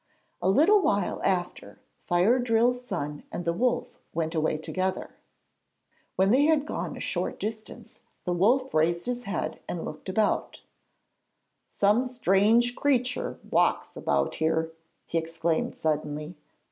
A little while after, Fire drill's son and the wolf went away together. When they had gone a short distance, the wolf raised his head and looked about him. 'Some strange creature walks about here,' he exclaimed suddenly.